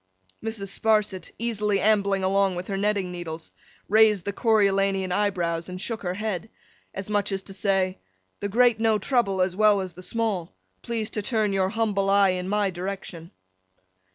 Mrs. Sparsit, easily ambling along with her netting needles, raised the Coriolanian eyebrows and shook her head, as much as to say, 'The great know trouble as well as the small. Please to turn your humble eye in My direction.